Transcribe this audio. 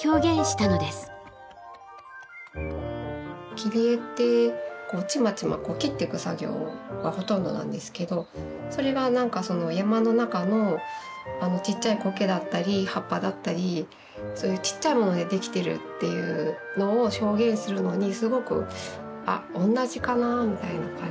切り絵ってチマチマ切っていく作業がほとんどなんですけどそれが何かその山の中のあのちっちゃいコケだったり葉っぱだったりそういうちっちゃいものでできてるっていうのを表現するのにすごくあっ同じかなみたいな感じで。